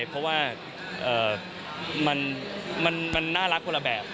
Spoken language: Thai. เพราะว่ามันน่ารักคนละแบบ